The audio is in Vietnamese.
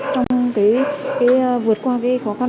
trong cái vượt qua cái khó khăn